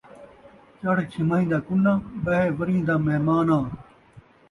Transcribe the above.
چڑھ چھماہیں دا کُنّاں، ٻہہ ورھیں دا مہمان آں